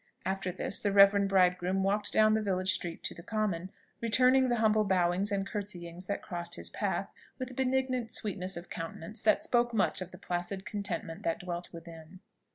After this, the reverend bridegroom walked down the village street to the common, returning the humble bowings and curtsyings that crossed his path with a benignant sweetness of countenance that spoke much of the placid contentment that dwelt within.